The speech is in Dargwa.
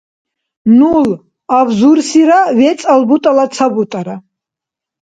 нул абзурсира вецӀал бутӀала ца бутӀара